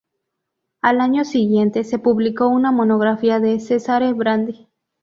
Al año siguiente, se publicó una monografía de Cesare Brandi.